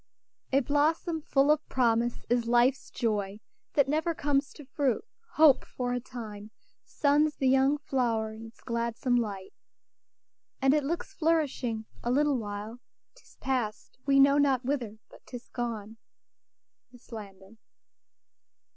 "A blossom full of promise is life's joy, That never comes to fruit. Hope, for a time, Suns the young flow'ret in its gladsome light, And it looks flourishing a little while 'Tis pass'd, we know not whither, but 'tis gone." MISS LANDON.